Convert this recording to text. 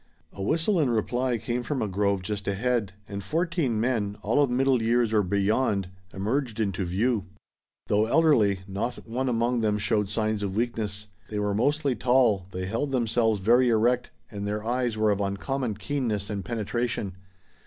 A whistle in reply came from a grove just ahead, and fourteen men, all of middle years or beyond, emerged into view. Though elderly, not one among them showed signs of weakness. They were mostly tall, they held themselves very erect, and their eyes were of uncommon keenness and penetration.